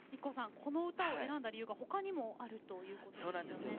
この歌を選んだ理由がほかにもあるということなんですよね。